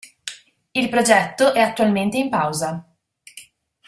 Il progetto è attualmente in pausa.